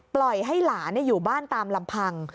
ปล่อยให้หลานอยู่บ้านตามลำพัง